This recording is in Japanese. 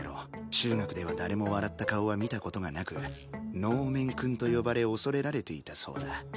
中学では誰も笑った顔は見た事がなく能面くんと呼ばれ恐れられていたそうだ。